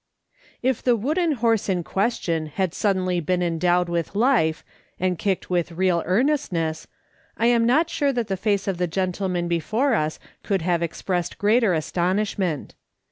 If the wooden horse in question liad suddenly been endowed with life, and kicked with real earnestness, I am not sure that the face of the gentleman before us could have expressed greater astonishment.